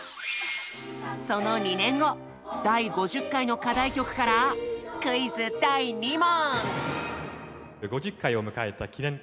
その２年後第５０回の課題曲からクイズ第２問！